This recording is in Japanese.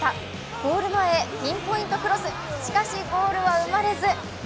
ゴール前へピンポイントクロス、しかしゴールは生まれず。